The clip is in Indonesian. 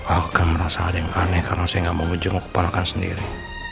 aku akan merasa ada yang aneh karena saya gak mau jenguk keponokan sendiri